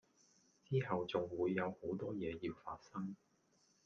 之後仲會有好多嘢要發生